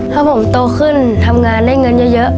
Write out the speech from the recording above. ถ้าผมโตขึ้นทำงานได้เงินเยอะ